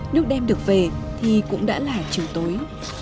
nước đem được về thì cũng đã là chiều tối